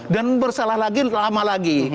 dan bersalah lagi lama lagi